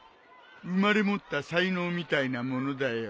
生まれ持った才能みたいなものだよ。